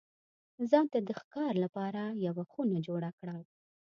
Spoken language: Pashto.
ځان ته د ښکار لپاره یوه خونه جوړه کړه.